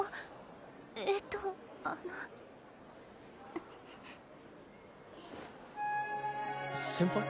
えっとあの先輩？